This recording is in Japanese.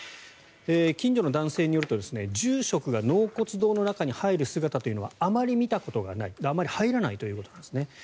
近所の男性によると住職が納骨堂の中に入る姿というのはあまり見たことがないあまり入らないということなんですね。